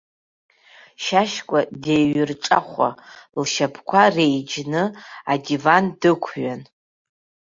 Шьашькәа деиҩырҿахәа, лшьапқәа реиџьны адиван дықәиан.